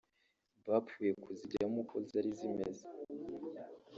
bapfuye kuzijyamo uko zari zimeze